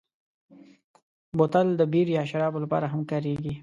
بوتل د بیر یا شرابو لپاره هم کارېږي.